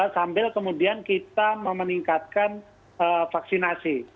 sambil kemudian kita memeningkatkan vaksinasi